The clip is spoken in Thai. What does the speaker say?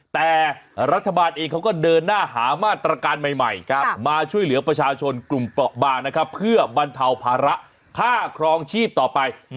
แต่รัฐบาลเองเขาก็เดินหน้าหามาตรการใหม่มาช่วยเหลือประชาชนกลุ่มเปราะบางนะครับเพื่อบรรเทาภาระค่าครองชีพต่อไป